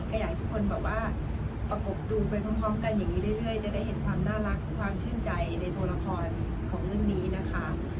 ก็อยากให้ทุกคนแบบว่าประกบดูไปพร้อมกันอย่างนี้เรื่อยจะได้เห็นความน่ารักความชื่นใจในตัวละครของเรื่องนี้นะคะ